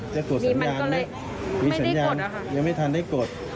จะกดสัญญาณยังไม่ทันได้กด